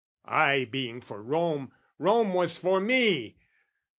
I being for Rome, Rome was for me!